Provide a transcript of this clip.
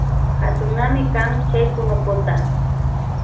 Katunami kan chay kunukuna.